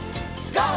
ＧＯ！